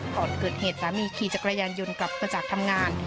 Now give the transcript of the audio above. ก่อนเกิดเหตุสามีขี่จักรยานยนต์กลับมาจากทำงาน